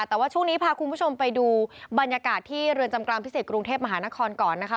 แต่ว่าช่วงนี้พาคุณผู้ชมไปดูบรรยากาศที่เรือนจำกลางพิเศษกรุงเทพมหานครก่อนนะคะ